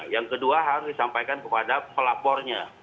yang kedua harus disampaikan kepada pelapornya